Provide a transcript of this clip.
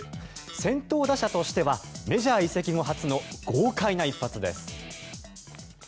先頭打者としてはメジャー移籍後初の豪快な一発です。